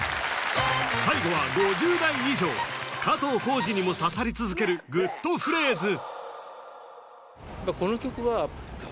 最後は５０代以上加藤浩次にも刺さり続けるグッとフレーズ